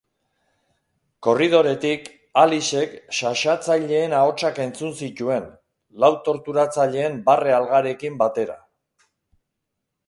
Korridoretik, Alicek xaxatzaileen ahotsak entzun zituen, lau torturatzaileen barre-algarekin batera.